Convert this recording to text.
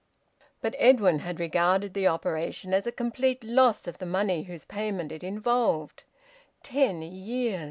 But Edwin had regarded the operation as a complete loss of the money whose payment it involved. Ten years!